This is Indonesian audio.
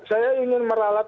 saya ingin meralat